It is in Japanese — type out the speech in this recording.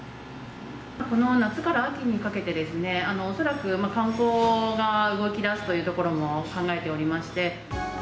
この夏から秋にかけてですね、恐らく観光が動きだすというところも考えておりまして。